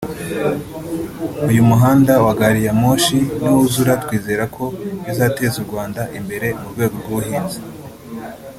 “Uyu muhanda wa Gari ya Moshi niwuzura twizera ko bizateza u Rwanda imbere mu rwego rw’ubuhinzi